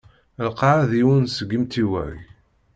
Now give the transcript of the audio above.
Lqaεa d yiwen seg imtiwag.